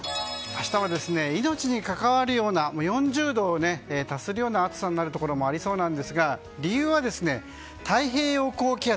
明日は命にかかわるような４０度を達するような暑さになるところもありそうなんですが理由は太平洋高気圧。